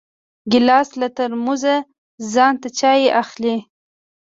ګیلاس له ترموزه ځان ته چای اخلي.